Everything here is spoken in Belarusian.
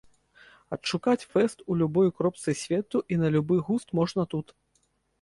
Адшукаць фэст у любой кропцы свету і на любы густ можна тут.